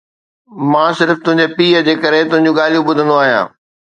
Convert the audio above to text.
مان صرف تنهنجي پيءُ جي ڪري تنهنجون ڳالهيون ٻڌندو آهيان